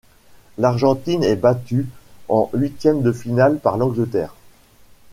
L'Argentine est battue en huitièmes de finale par l'Angleterre.